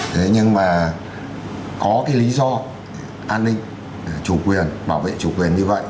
thế nhưng mà có cái lý do an ninh chủ quyền bảo vệ chủ quyền như vậy